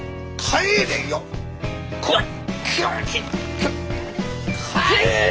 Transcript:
帰れ！